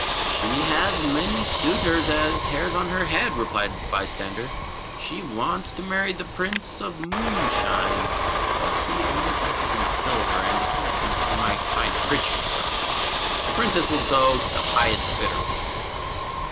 "She has as many suitors as hairs on her head," replied the bystander. "She wants to marry the Prince of Moonshine, but he only dresses in silver, and the King thinks he might find a richer son in law. The Princess will go to the highest bidder."